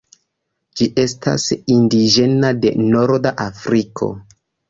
Ĝi estas indiĝena de norda Afriko.